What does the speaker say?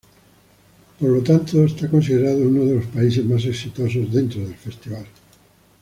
Por lo tanto, es considerado uno de los países más exitosos dentro del festival.